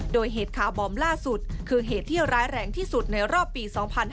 โดยเหตุคาร์บอมล่าสุดคือเหตุที่ร้ายแรงที่สุดในรอบปี๒๕๕๙